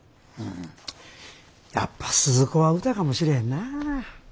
やっぱスズ子は歌かもしれへんな。